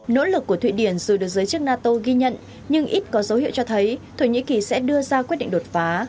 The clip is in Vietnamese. nỗ lực của thụy điển dù được giới chức nato ghi nhận nhưng ít có dấu hiệu cho thấy thổ nhĩ kỳ sẽ đưa ra quyết định đột phá